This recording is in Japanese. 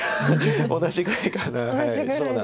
同じぐらいかな。